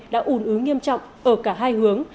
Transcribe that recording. đã ủn ứ nghiêm trọng ở cả hai hướng